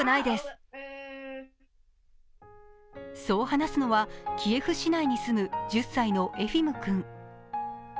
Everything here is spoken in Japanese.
そう話すのはキエフ市内に住む１０歳のエフィム君。